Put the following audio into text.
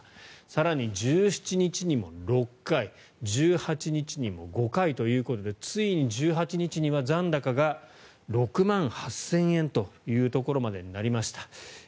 更に１７日にも６回１８日にも５回ということでついに１８日には残高が６万８０００円というところまでになりました。